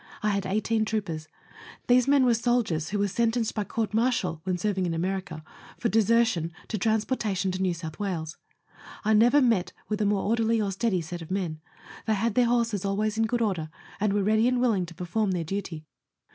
I had eighteen troopers. These men were soldiers who were sentenced by court martial (when serving in America), for desertion, to trans portation to N. S. Wales. I never met with a more orderly or steady set of men ; they had their horses always in good order, and were ready and willing to perform their duty.